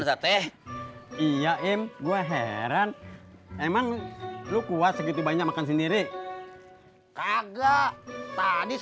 sate iya im gue heran emang lo kuat segitu banyak makan sendiri kagak tadi